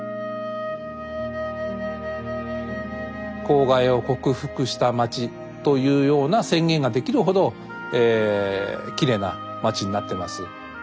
公害を克服した街というような宣言ができるほどきれいな街になってます。